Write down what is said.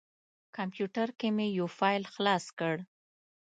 کمپیوټر کې مې یو فایل خلاص کړ.